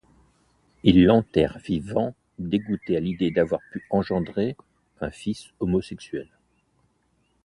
Il l'enterre vivant, dégoûté à l'idée d'avoir pu engendrer un fils homosexuel.